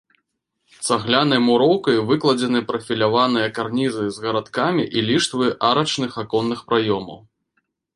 Цаглянай муроўкай выкладзены прафіляваныя карнізы з гарадкамі і ліштвы арачных аконных праёмаў.